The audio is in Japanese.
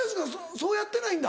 そうやってないんだ。